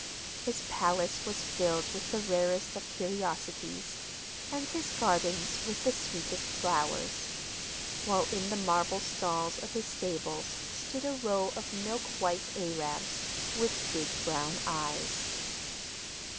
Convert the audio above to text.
His palace was filled with the rarest of curiosities, and his gardens with the sweetest flowers, while in the marble stalls of his stables stood a row of milk white Arabs, with big brown eyes.